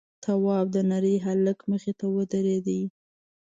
تواب د نري هلک مخې ته ودرېد: